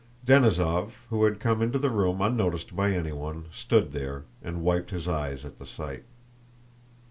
Denísov, who had come into the room unnoticed by anyone, stood there and wiped his eyes at the sight.